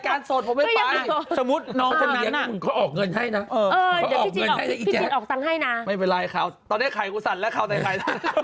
เขาออกเงินให้นะอืมเขาออกเงินให้นะอีแจ๊ะไม่เป็นไรค่ะตอนนี้ไข่กูสั่นแล้วเขาในไข่